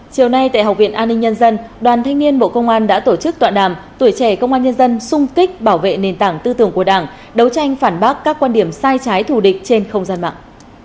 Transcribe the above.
công an đã tổ chức tọa đàm tuổi trẻ công an nhân dân sung kích bảo vệ nền tảng tư tưởng của đảng đấu tranh phản bác các quan điểm sai trái thù địch trên không gian mạng